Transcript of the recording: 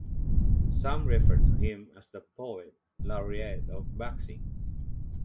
Some refer to him as the poet laureate of boxing.